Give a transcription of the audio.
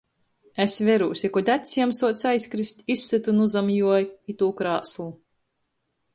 Es verūs, i kod acs jam suoc aizkrist, izsytu nu zam juo itū krāslu...